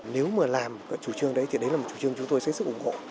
nếu mà làm chủ trương đấy thì đấy là một chủ trương chúng tôi sẽ sức ủng hộ